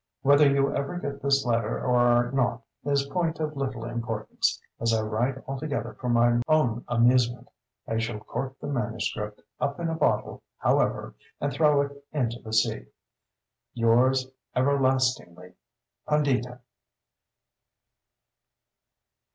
Whether you ever get this letter or not is point of little importance, as I write altogether for my own amusement. I shall cork the MS. up in a bottle, however, and throw it into the sea. Yours everlastingly, PUNDITA.